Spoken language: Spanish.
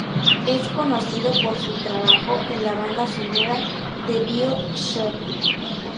Es conocido por su trabajo en la banda sonora de "BioShock".